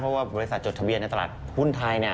เพราะว่าบริษัทจดทะเบียนในตลาดหุ้นไทย